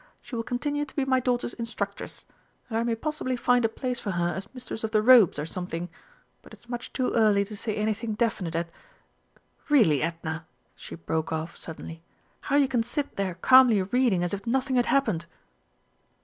She will continue to be my daughter's instructress, and I may possibly find a place for her as Mistress of the Robes or something; but it's much too early to say anything definite at Really, Edna," she broke off suddenly, "how you can sit there calmly reading as if nothing had happened!"